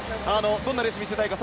どんなレースを見せたいか